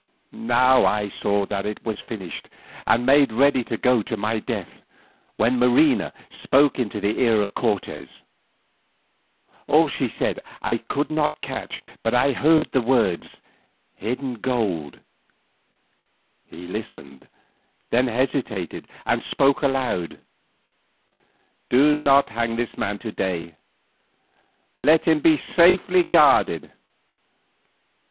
Now I saw that it was finished, and made ready to go to my death, when Marina spoke into the ear of Cortes. All she said I could not catch, but I heard the words "hidden gold." He listened, then hesitated, and spoke aloud: "Do not hang this man to day. Let him be safely guarded.